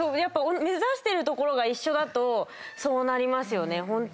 目指してる所が一緒だとそうなりますよね。